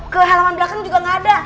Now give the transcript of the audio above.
ke halaman belakang juga nggak ada